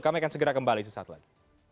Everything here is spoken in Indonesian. kami akan segera kembali sesaat lagi